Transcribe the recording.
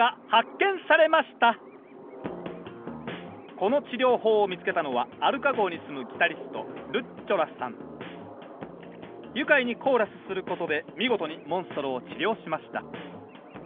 この治療法を見つけたのはアルカ号に住むギタリスト愉快にコーラスすることで見事にモンストロを治療しました。